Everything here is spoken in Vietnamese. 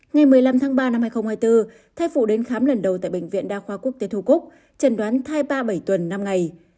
ngày một mươi năm tháng ba năm hai nghìn hai mươi bốn thai phụ đến khám lần đầu tại bệnh viện đa khoa quốc tế thu cúc trần đoán thai ba bảy tuần năm ngày